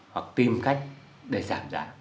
hoặc tìm cách để giảm giá